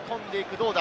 どうだ？